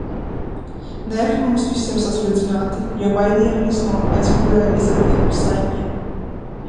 Nervi mums visiem sasprindzināti, jo baidījāmies no aizmugurē izliktiem slēpņiem.